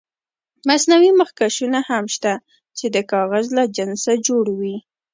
مصنوعي مخکشونه هم شته چې د کاغذ له جنسه جوړ وي.